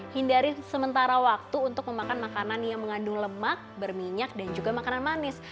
hindari sementara waktu untuk memakan makanan yang mengandung lemak berminyak dan juga makanan manis